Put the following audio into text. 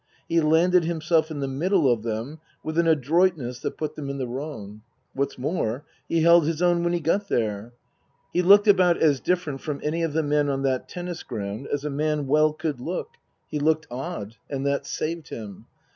He landed himself in the middle of them with an adroitness that put them in the wrong. What's more, he held his own when he got there. He looked about as different from any of the men on that tennis ground as a man well could look. He looked odd ; and that saved him.